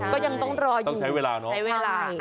ก็ยังต้องรออยู่ต้องใช้เวลา